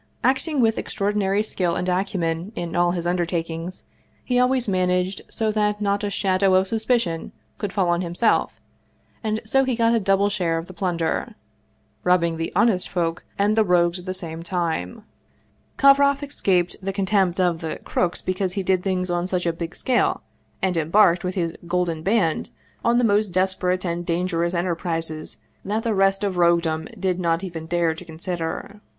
Acting with extraordinary skill and acumen in all his undertak ings he always managed so that not a shadow of suspi cion could fall on himself and so he got a double share of the plunder: robbing the honest folk and the rogues at the same time. Kovroff escaped the contempt of the 194 Vsevolod Vladimir ovitch Krestovski crooks because he did things on such a big scale and em barked with his Golden Band on the most desperate and dangerous enterprises that the rest of roguedom did not even dare to consider.